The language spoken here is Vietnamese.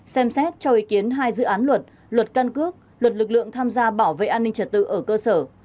xem xét cho ý kiến hai dự án luật luật căn cước luật lực lượng tham gia bảo vệ an ninh trật tự ở cơ sở